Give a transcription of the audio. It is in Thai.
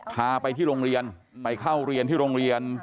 พาไปที่โรงเรียนไปเข้าเรียนที่โรงเรียน